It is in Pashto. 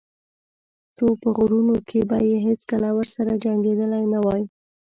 خو په غرونو کې به یې هېڅکله ورسره جنګېدلی نه وای.